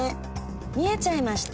「見えちゃいました？